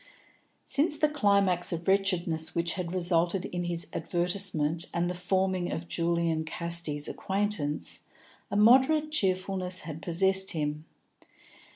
Since the climax of wretchedness which had resulted in his advertisement and the forming of Julian Casti's acquaintance, a moderate cheerfulness had possessed him.